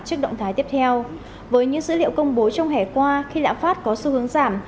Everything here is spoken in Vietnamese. trước động thái tiếp theo với những dữ liệu công bố trong hẻ qua khi lãm phát có xu hướng giảm